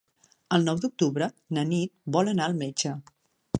El nou d'octubre na Nit vol anar al metge.